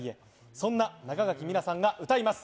そんな中垣みなさんが歌います。